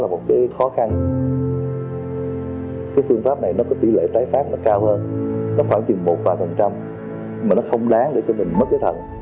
mà nó không đáng để cho mình mất cái thần